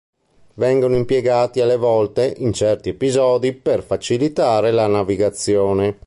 Vengono impiegati alle volte, in certi episodi, per facilitare la navigazione.